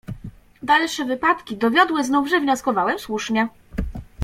"Dalsze wypadki dowiodły znów, że wnioskowałem słusznie."